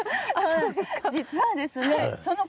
実はですねほぉ。